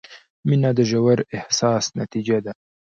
• مینه د ژور احساس نتیجه ده.